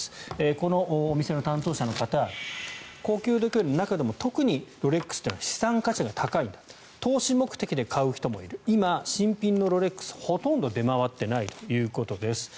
この店の担当者の方高級時計の中でも特にロレックスというのは資産価値が高い投資目的で買う人もいる今、新品のロレックスほとんど出回っていないということです。